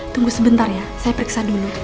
tunggu sebentar ya saya periksa dulu